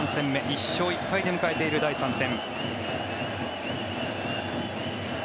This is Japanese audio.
１勝１敗で迎えている第３戦。